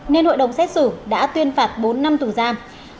nên hội đồng xét xử đã tuyên phạt bốn năm tù giam